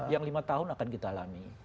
yang lima tahun akan kita alami